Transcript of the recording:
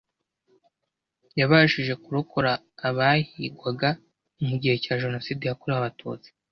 Yabashije kurokora abahigwaga mu gihe cya Jenoside yakorewe Abatutsi